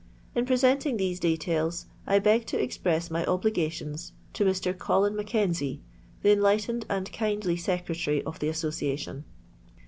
In presenting these details, beg to express my oUigations to Mr. Colin Mackensie, the enlightened and kindly secretary of the Association.